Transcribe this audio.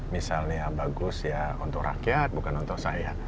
misalnya bagus ya untuk rakyat bukan untuk saya